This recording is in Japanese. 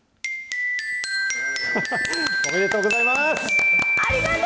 おめでとうございます。